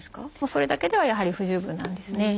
それだけではやはり不十分なんですね。